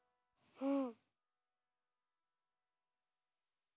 うん。